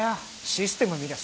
システム見りゃ